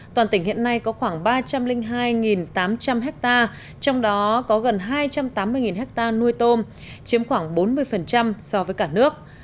toàn tỉnh hiện nay có khoảng ba trăm linh hai tám trăm linh hectare trong đó có gần hai trăm tám mươi hectare nuôi tôm chiếm khoảng bốn mươi so với cả nước